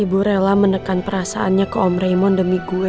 ibu rela menekan perasaannya ke om raymond demi gue